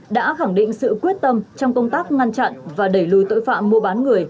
đã khẳng định sự quyết tâm trong công tác ngăn chặn và đẩy lùi tội phạm mua bán người